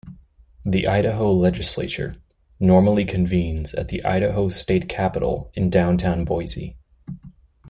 The Idaho Legislature normally convenes at the Idaho State Capitol in downtown Boise.